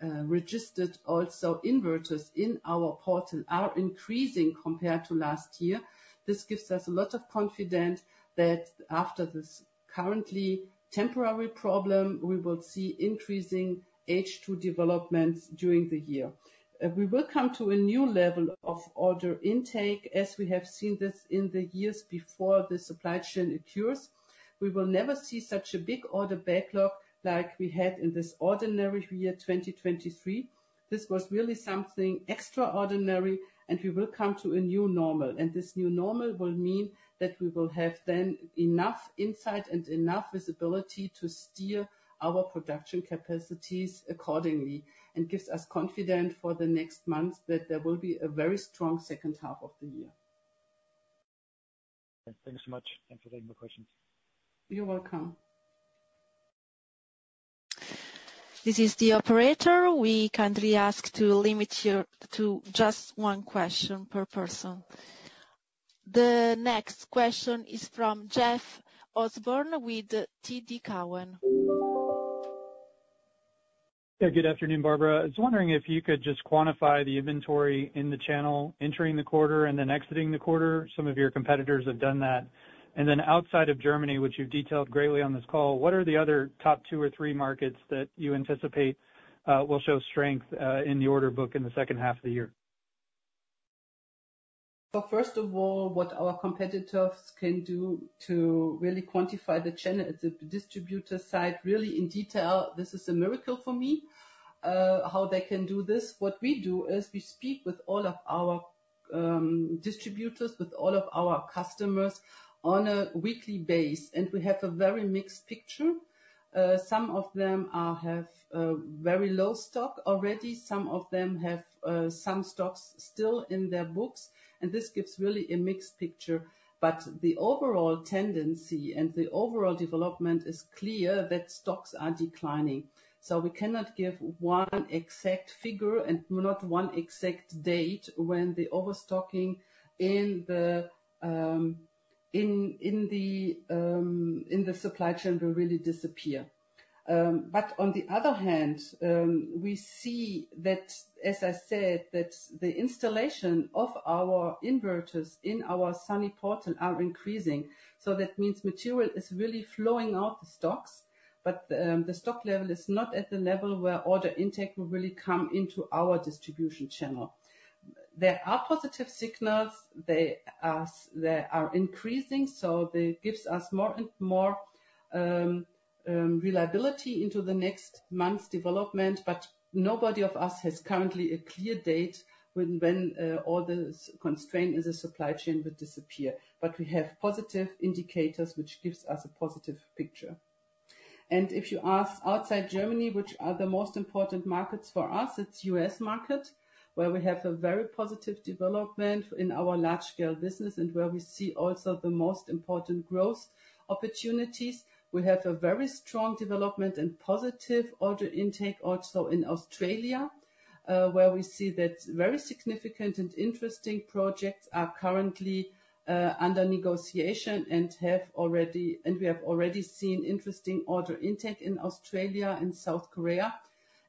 Speaker 1: registered also inverters in our portal are increasing compared to last year. This gives us a lot of confidence that after this currently temporary problem, we will see increasing H2 developments during the year. We will come to a new level of order intake as we have seen this in the years before the supply chain occurs. We will never see such a big order backlog like we had in this ordinary year, 2023. This was really something extraordinary, and we will come to a new normal. This new normal will mean that we will have then enough insight and enough visibility to steer our production capacities accordingly and gives us confidence for the next months that there will be a very strong second half of the year.
Speaker 6: Thanks so much. Thanks for taking my questions.
Speaker 1: You're welcome.
Speaker 2: This is the operator. We kindly ask to limit you to just one question per person. The next question is from Jeff Osborne with TD Cowen.
Speaker 7: Yeah. Good afternoon, Barbara. I was wondering if you could just quantify the inventory in the channel entering the quarter and then exiting the quarter. Some of your competitors have done that. And then outside of Germany, which you've detailed greatly on this call, what are the other top two or three markets that you anticipate will show strength in the order book in the second half of the year?
Speaker 1: So first of all, what our competitors can do to really quantify the channel at the distributor side, really in detail, this is a miracle for me how they can do this. What we do is we speak with all of our distributors, with all of our customers on a weekly basis, and we have a very mixed picture. Some of them have very low stock already. Some of them have some stocks still in their books. And this gives really a mixed picture. But the overall tendency and the overall development is clear that stocks are declining. So we cannot give one exact figure and not one exact date when the overstocking in the supply chain will really disappear. But on the other hand, we see that, as I said, that the installation of our inverters in our Sunny Portal are increasing. That means material is really flowing out the stocks, but the stock level is not at the level where order intake will really come into our distribution channel. There are positive signals. They are increasing, so it gives us more and more reliability into the next month's development. Nobody of us has currently a clear date when all this constraint in the supply chain will disappear. We have positive indicators, which gives us a positive picture. If you ask outside Germany, which are the most important markets for us, it's the U.S. market where we have a very positive development in our large scale business and where we see also the most important growth opportunities. We have a very strong development and positive order intake also in Australia, where we see that very significant and interesting projects are currently under negotiation and we have already seen interesting order intake in Australia and South Korea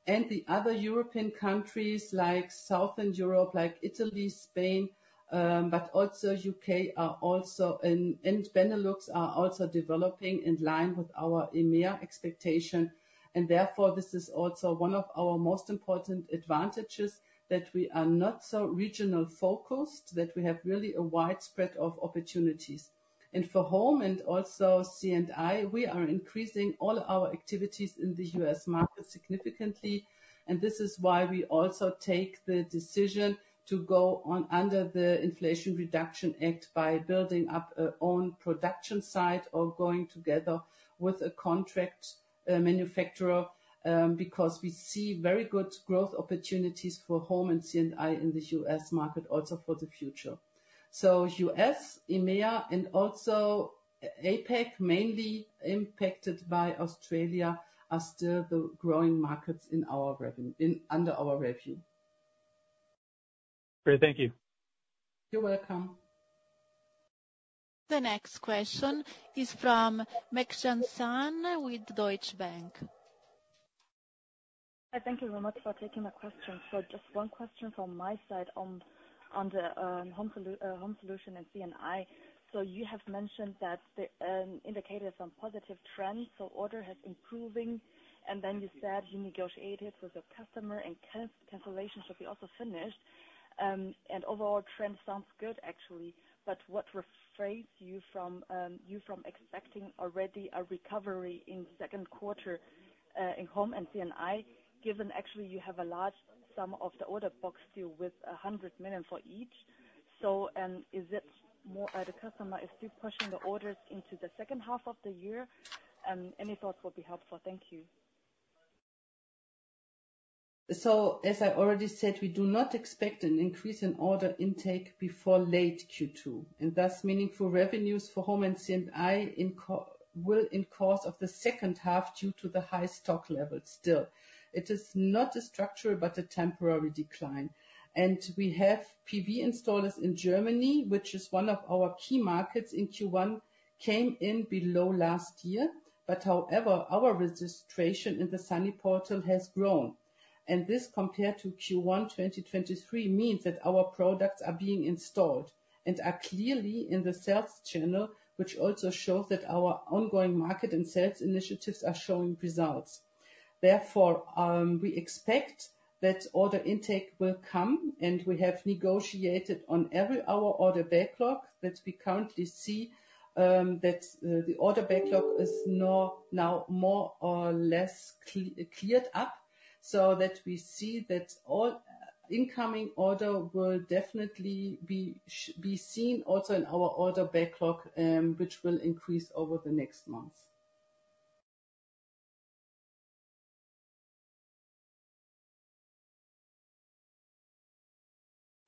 Speaker 1: and the other European countries like Southern Europe, like Italy, Spain, but also UK and Benelux are also developing in line with our EMEA expectation. And therefore, this is also one of our most important advantages that we are not so regional focused, that we have really a widespread of opportunities. And for home and also C&I, we are increasing all our activities in the US market significantly. And this is why we also take the decision to go under the Inflation Reduction Act by building up our own production site or going together with a contract manufacturer because we see very good growth opportunities for home and C&I in the US market also for the future. So US, EMEA, and also APEC, mainly impacted by Australia, are still the growing markets under our review.
Speaker 7: Great. Thank you.
Speaker 1: You're welcome.
Speaker 2: The next question is from Mengxian Sun with Deutsche Bank.
Speaker 8: Hi. Thank you very much for taking my question. So just one question from my side under home solution and C&I. So you have mentioned that the indicators are positive trends. So order has been improving. And then you said you negotiated with your customer, and cancellation should be also finished. And overall trend sounds good, actually. But what refrains you from expecting already a recovery in second quarter in home and C&I, given actually you have a large sum of the order backlog still with 100 million for each? So is it more the customer is still pushing the orders into the second half of the year? Any thoughts would be helpful. Thank you.
Speaker 1: So as I already said, we do not expect an increase in order intake before late Q2. And thus, meaningful revenues for home and C&I will in course of the second half due to the high stock level still. It is not a structural but a temporary decline. And we have PV installers in Germany, which is one of our key markets in Q1, came in below last year. But however, our registration in the Sunny Portal has grown. This compared to Q1 2023 means that our products are being installed and are clearly in the sales channel, which also shows that our ongoing market and sales initiatives are showing results. Therefore, we expect that order intake will come, and we have negotiated on every hour order backlog that we currently see that the order backlog is now more or less cleared up so that we see that all incoming order will definitely be seen also in our order backlog, which will increase over the next months.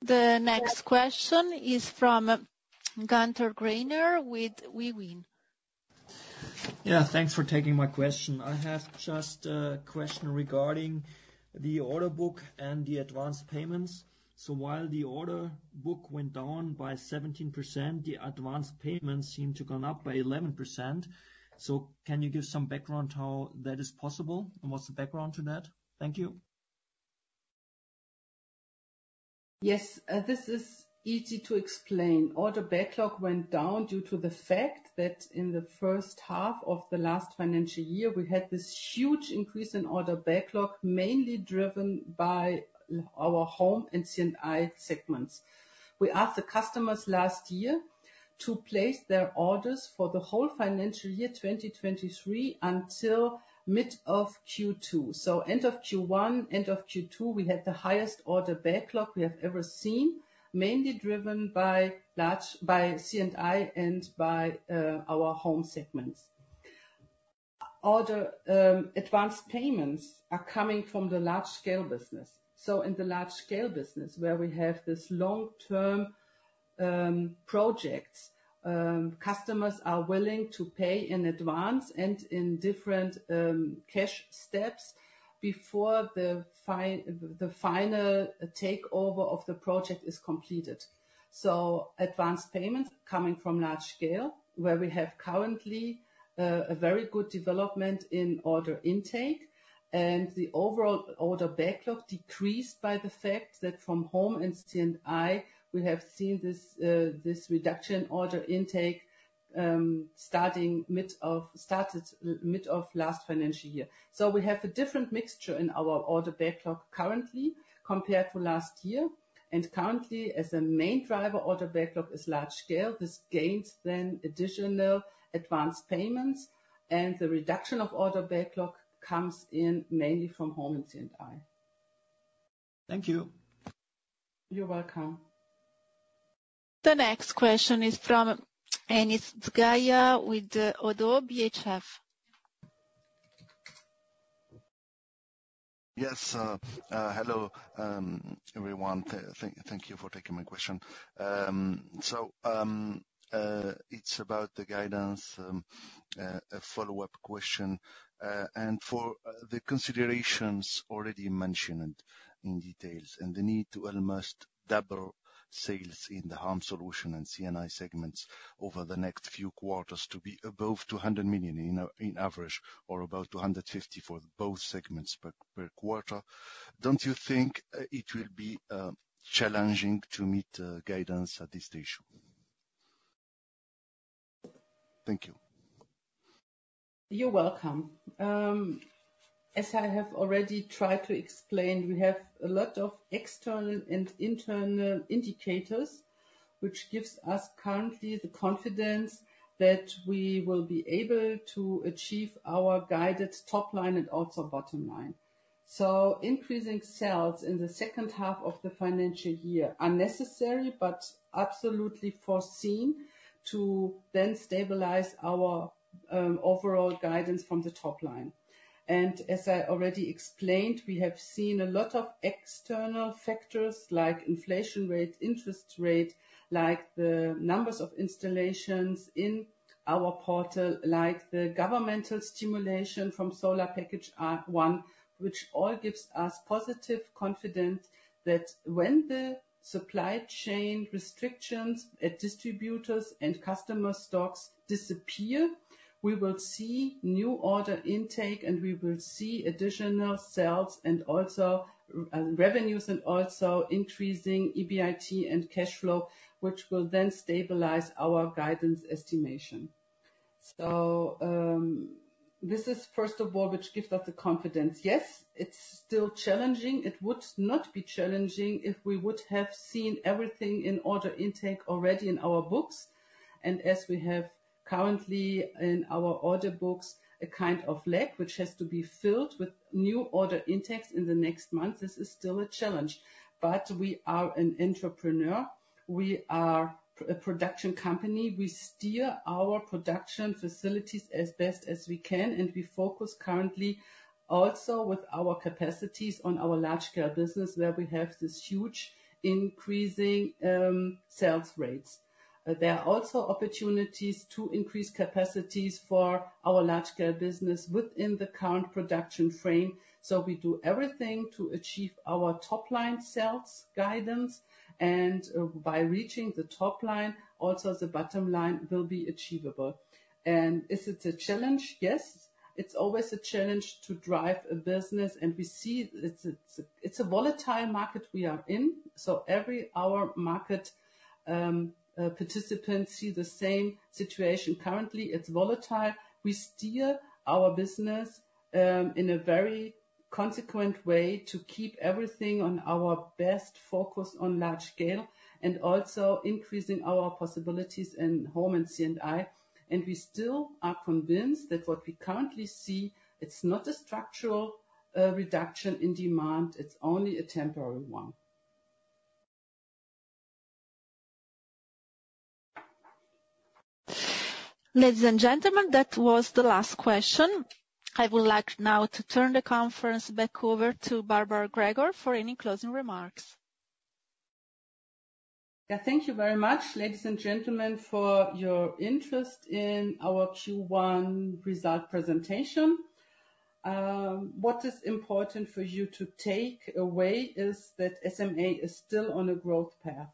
Speaker 2: The next question is from Günter Greiner with Union.
Speaker 9: Yeah. Thanks for taking my question. I have just a question regarding the order book and the advance payments. So while the order book went down by 17%, the advance payments seem to have gone up by 11%. So can you give some background how that is possible? What's the background to that? Thank you.
Speaker 1: Yes. This is easy to explain. Order backlog went down due to the fact that in the first half of the last financial year, we had this huge increase in order backlog mainly driven by our home and C&I segments. We asked the customers last year to place their orders for the whole financial year, 2023, until mid of Q2. So end of Q1, end of Q2, we had the highest order backlog we have ever seen, mainly driven by C&I and by our home segments. Advance payments are coming from the large scale business. So in the large scale business where we have these long-term projects, customers are willing to pay in advance and in different cash steps before the final takeover of the project is completed. So advance payments coming from large scale where we have currently a very good development in order intake. And the overall order backlog decreased by the fact that from home and C&I, we have seen this reduction in order intake starting mid of last financial year. So we have a different mixture in our order backlog currently compared to last year. And currently, as a main driver, order backlog is large scale. This gains then additional advance payments. And the reduction of order backlog comes in mainly from home and C&I.
Speaker 9: Thank you.
Speaker 1: You're welcome.
Speaker 2: The next question is from Anis Zgaya with ODDO BHF.
Speaker 10: Yes. Hello, everyone. Thank you for taking my question. So it's about the guidance, a follow-up question. For the considerations already mentioned in detail and the need to almost double sales in the home solution and C&I segments over the next few quarters to be above 200 million in average or about 250 million for both segments per quarter, don't you think it will be challenging to meet guidance at this stage?
Speaker 1: Thank you. You're welcome. As I have already tried to explain, we have a lot of external and internal indicators, which gives us currently the confidence that we will be able to achieve our guided top line and also bottom line. So increasing sales in the second half of the financial year are necessary but absolutely foreseen to then stabilize our overall guidance from the top line. As I already explained, we have seen a lot of external factors like inflation rate, interest rate, like the numbers of installations in our portal, like the governmental stimulus from Solar Package I, which all gives us positive confidence that when the supply chain restrictions at distributors and customer stocks disappear, we will see new order intake, and we will see additional sales and also revenues and also increasing EBIT and cash flow, which will then stabilize our guidance estimation. So this is, first of all, which gives us the confidence. Yes, it's still challenging. It would not be challenging if we would have seen everything in order intake already in our books. And as we have currently in our order books, a kind of lag, which has to be filled with new order intakes in the next months, this is still a challenge. But we are an entrepreneur. We are a production company. We steer our production facilities as best as we can, and we focus currently also with our capacities on our large scale business where we have this huge increasing sales rates. There are also opportunities to increase capacities for our large scale business within the current production frame. So we do everything to achieve our top line sales guidance. And by reaching the top line, also the bottom line will be achievable. And is it a challenge? Yes. It's always a challenge to drive a business. And we see it's a volatile market we are in. So every hour market participants see the same situation currently. It's volatile. We steer our business in a very consequent way to keep everything on our best focus on large scale and also increasing our possibilities in home and C&I. And we still are convinced that what we currently see, it's not a structural reduction in demand. It's only a temporary one.
Speaker 2: Ladies and gentlemen, that was the last question. I would like now to turn the conference back over to Barbara Gregor for any closing remarks.
Speaker 1: Yeah. Thank you very much, ladies and gentlemen, for your interest in our Q1 result presentation. What is important for you to take away is that SMA is still on a growth path.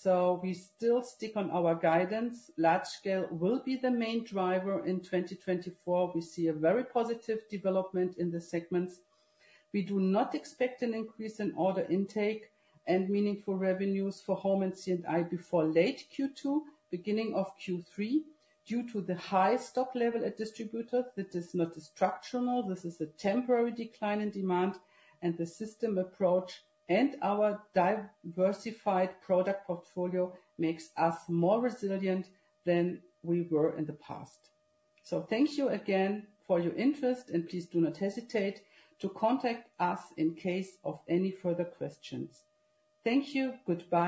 Speaker 1: So we still stick on our guidance. Large Scale will be the main driver in 2024. We see a very positive development in the segments. We do not expect an increase in order intake and meaningful revenues for home and C&I before late Q2, beginning of Q3 due to the high stock level at distributors. This is not a structural. This is a temporary decline in demand. The system approach and our diversified product portfolio makes us more resilient than we were in the past. So thank you again for your interest, and please do not hesitate to contact us in case of any further questions. Thank you. Goodbye.